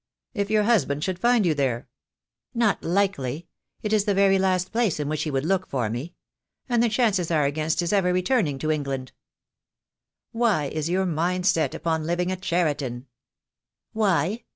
"If your husband should find you there?" "Not likely! It is the very last place in which he would look for me; and the chances are against his ever returning to England." "Why is your mind set upon living at Cheriton?" "Why?